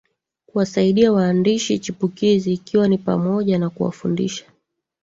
Kuwasaidia waandishi chipukizi ikiwa ni pamoja na kuwafundisha